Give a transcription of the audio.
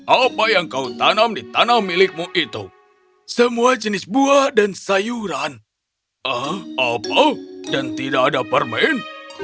apa yang kau tanam di tanah milikmu itu semua jenis buah dan sayuran apa dan tidak ada permen